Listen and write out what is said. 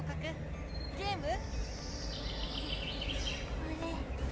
ここれ。